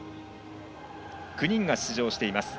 ９人が出場しています。